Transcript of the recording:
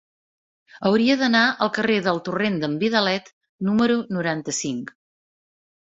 Hauria d'anar al carrer del Torrent d'en Vidalet número noranta-cinc.